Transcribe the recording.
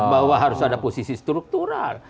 bahwa harus ada posisi struktural